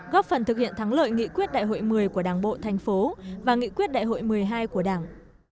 góp phần thực hiện thắng lợi nghị quyết đại hội một mươi của đảng bộ thành phố và nghị quyết đại hội một mươi hai của đảng